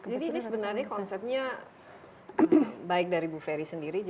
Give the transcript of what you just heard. jadi ini sebenarnya konsepnya baik dari bu ferry sendiri